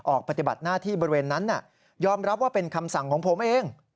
ปฏิบัติหน้าที่บริเวณนั้นยอมรับว่าเป็นคำสั่งของผมเอง